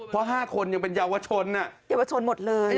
เพราะ๕คนยังเป็นเยาวชนเยาวชนหมดเลย